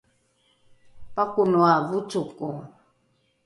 pakonoa vocoko!